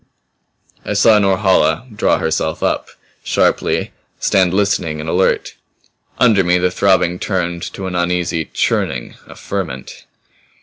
I saw Norhala draw herself up, sharply; stand listening and alert. Under me, the throbbing turned to an uneasy churning, a ferment.